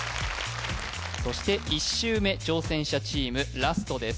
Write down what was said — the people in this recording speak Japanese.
そして１周目挑戦者チームラストです